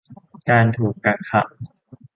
การถูกกักขัง